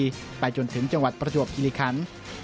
จนถ้าบุรีไปจนถึงจังหวัดประจวบกิริขันศ์